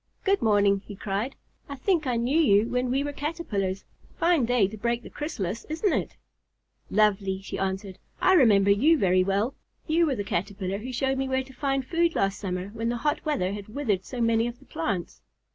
"Good morning!" he cried. "I think I knew you when we were Caterpillars. Fine day to break the chrysalis, isn't it?" "Lovely," she answered. "I remember you very well. You were the Caterpillar who showed me where to find food last summer when the hot weather had withered so many of the plants."